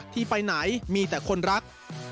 ที่ไปไหนมีแต่คนรัก